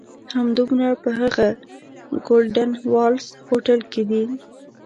همدومره په هغه "ګولډن والز" هوټل کې دي.